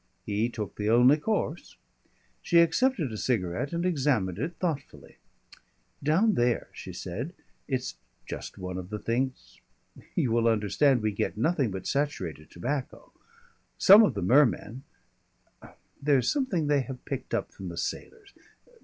He took the only course. She accepted a cigarette and examined it thoughtfully. "Down there," she said, "it's just one of the things You will understand we get nothing but saturated tobacco. Some of the mermen There's something they have picked up from the sailors.